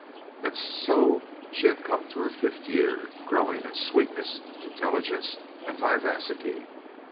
And so she had come to her fifth year, growing in sweetness, intelligence, and vivacity.